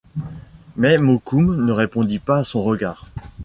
Mais Mokoum ne répondit pas à son regard.